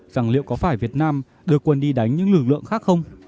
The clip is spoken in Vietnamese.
rằng liệu có phải việt nam đưa quân đi đánh những lực lượng khác không